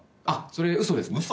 あっそれ嘘です。